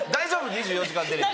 『２４時間テレビ』。